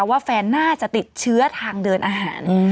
ว่าแฟนน่าจะติดเชื้อทางเดินอาหาร